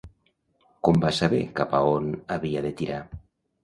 Com va saber cap a on havia de tirar?